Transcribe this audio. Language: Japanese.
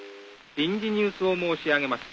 「臨時ニュースを申し上げます。